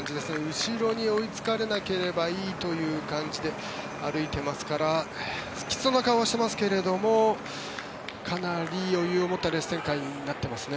後ろに追いつかれなければいいという感じで歩いていますからきつそうな顔はしていますがかなり余裕を持ったレース展開になっていますね。